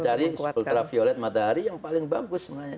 dan cari ultraviolet matahari yang paling bagus sebenarnya